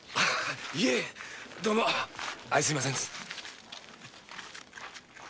いえどうも相すみません。